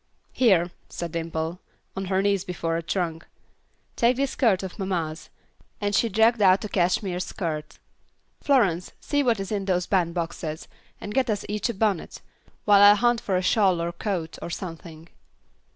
"Here," said Dimple, on her knees before a trunk, "take this skirt of mamma's," and she dragged out a cashmere skirt. "Florence, see what is in those band boxes, and get us each a bonnet, while I hunt for a shawl or coat, or something."